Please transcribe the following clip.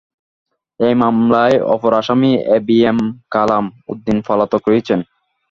এ মামলার অপর আসামি A B M Kamal Uddin পলাতক রয়েছেন।